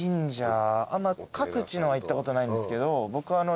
各地のは行ったことないんですけど僕。